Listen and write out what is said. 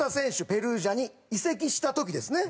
ペルージャに移籍した時ですね。